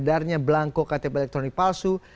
beredarnya belangko ktp elektronik palsu